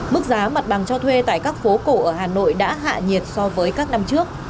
mức giá mặt bằng cho thuê tại các phố cổ ở hà nội đã hạ nhiệt so với các năm trước